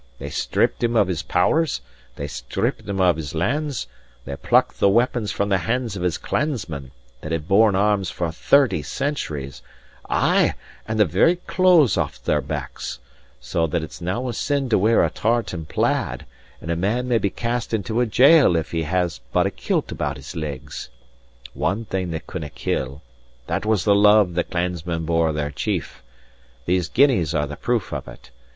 They stripped him of his powers; they stripped him of his lands; they plucked the weapons from the hands of his clansmen, that had borne arms for thirty centuries; ay, and the very clothes off their backs so that it's now a sin to wear a tartan plaid, and a man may be cast into a gaol if he has but a kilt about his legs. One thing they couldnae kill. That was the love the clansmen bore their chief. These guineas are the proof of it.